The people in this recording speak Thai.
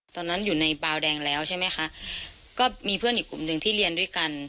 ตอนนั้นอยู่ในบาวแดงแล้วใช่ไหมคะก็มีเพื่อนอีกกลุ่มหนึ่งที่เรียนด้วยกัน